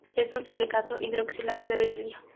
Es un silicato hidroxilado de berilio.